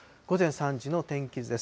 午前３時の天気図です。